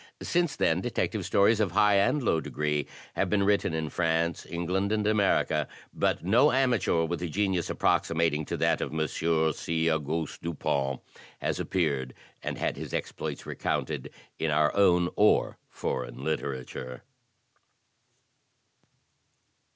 Since then, detective stories of high and low degree have been written in France, England, and America; but no amateur, with a genius ap proximating to that of 'Monsieur C. Auguste Dupin,' has appeared, and had his exploits recoimted, in our own or foreign literature.'